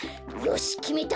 よしきめた！